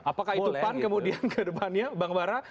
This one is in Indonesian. apakah itu kan kemudian ke depannya bang mbahra